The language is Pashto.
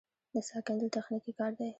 د څاه کیندل تخنیکي کار دی